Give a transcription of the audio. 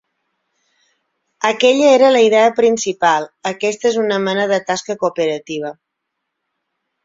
Aquella era la idea principal, aquesta és una mena de tasca cooperativa.